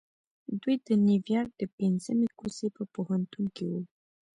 دوی د نيويارک د پنځمې کوڅې په پوهنتون کې وو.